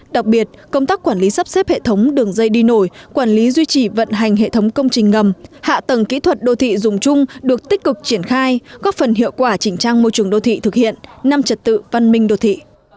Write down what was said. đặc biệt công tác quản lý sắp xếp hệ thống đường dây đi nổi quản lý duy trì vận hành hệ thống công trình ngầm hạ tầng kỹ thuật đô thị dùng chung được tích cực triển khai góp phần hiệu quả chỉnh trang môi trường đô thị thực hiện năm trật tự văn minh đô thị